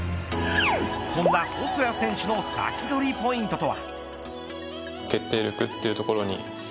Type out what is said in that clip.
そんな細谷選手のサキドリポイントとは。